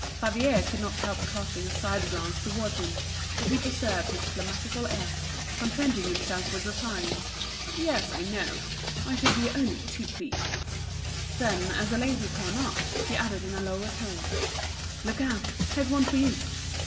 Favier could not help casting a side glance towards him, but he preserved his phlegmatical air, contenting himself with replying: "Yes, I know. I should be only too pleased." Then, as a lady came up, he added in a lower tone: "Look out! Here's one for you."